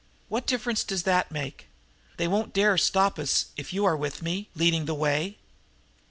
What difference does that make? They won't dare stop us if you are with me, leading the way."